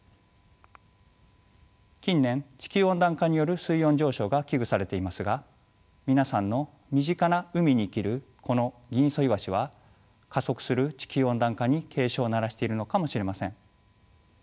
近年地球温暖化による水温上昇が危惧されていますが皆さんの身近な海に生きるこのギンイソイワシは加速する地球温暖化に警鐘を鳴らしているのかもしれません。